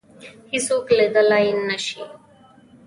هیڅوک لیدلای نه شي